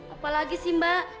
apa lagi sih mbak